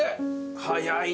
早いな。